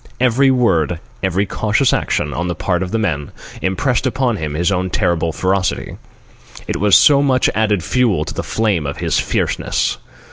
Every word, every cautious action, on the part of the men, impressed upon him his own terrible ferocity. It was so much added fuel to the flame of his fierceness.